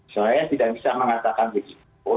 saya tidak bisa mengatakan risiko